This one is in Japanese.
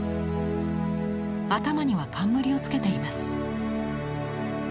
頭には冠をつけています。